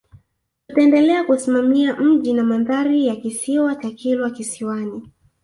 Tutaendelea kusimamia mji na mandhari ya Kisiwa cha Kilwa Kisiwani